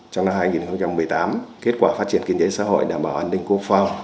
trong năm hai nghìn một mươi tám kết quả phát triển kinh tế xã hội đảm bảo an ninh quốc phòng